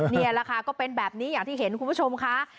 นี่แหละค่ะก็เป็นแบบนี้อย่างที่เห็นคุณผู้ชมค่ะ